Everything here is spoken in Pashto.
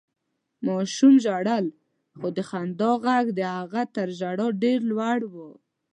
ماشوم ژړل، خو د خندا غږ د هغه تر ژړا ډېر لوړ و.